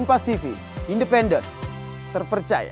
jadi bisa ber alternatives semua kita